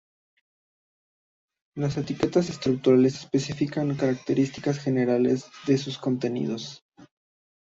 Las etiquetas estructurales especifican características generales de sus contenidos.